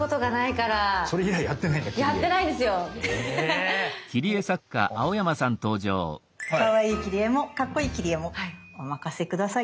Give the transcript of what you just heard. かわいい切り絵もかっこいい切り絵もお任せ下さい！